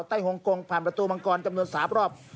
ฮงกงผ่านประตูมังกรจำนวน๓รอบ